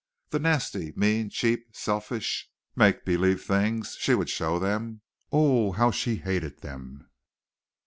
The nasty, mean, cheap, selfish, make belief things. She would show them! O oh! how she hated them.